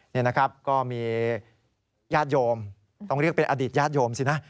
นี่นะครับก็มีญาติโยมต้องเรียกเป็นอดีตญาติโยมสินะ